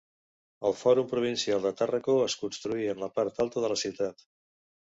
El Fòrum provincial de Tàrraco es construí en la part alta de la ciutat.